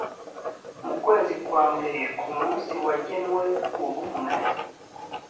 mu kwezi kwambere ku munsi wagenwe ubumwe